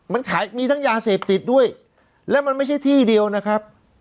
มันขายมีทั้งยาเสพติดด้วยแล้วมันไม่ใช่ที่เดียวนะครับ